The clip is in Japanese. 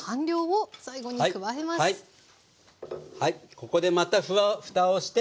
ここでまたふたをして。